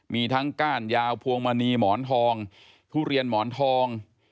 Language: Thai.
มีทั้งก้านยาวพวงมณีหมอนทองทุเรียนหมอนทอง